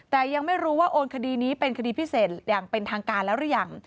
แต่ยังไม่รู้ว่าโอนคดีนี้เป็นคดีพิเศษอย่างเป็นทางการแล้วหรือยัง